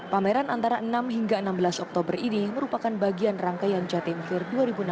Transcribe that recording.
pameran antara enam hingga enam belas oktober ini merupakan bagian rangkaian jatim fear dua ribu enam belas